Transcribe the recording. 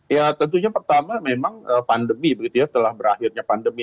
ya tentunya pertama memang pandemi begitu ya telah berakhirnya pandemi